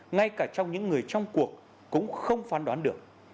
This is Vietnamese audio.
ngay cả trong những người trong cuộc cũng không phán đoán được